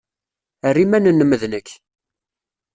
Err iman-nnem d nekk.